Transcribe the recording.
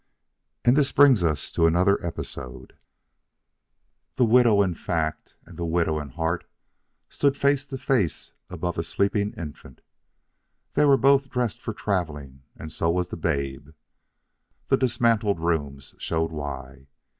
And this brings us to another episode. The widow in fact and the widow in heart stood face to face above a sleeping infant. They were both dressed for traveling and so was the babe. The dismantled rooms showed why.